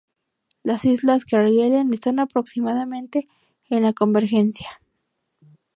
Las islas Kerguelen están aproximadamente en la convergencia.